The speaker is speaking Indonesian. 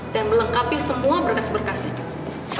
dan melengkapi semua berkas berkas itu